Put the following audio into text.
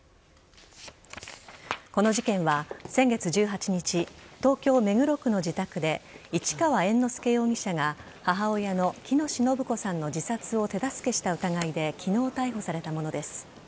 この事件は先月１８日東京・目黒区の自宅で市川猿之助容疑者が母親の喜熨斗延子さんの自殺を手助けした疑いで昨日、逮捕されたものです。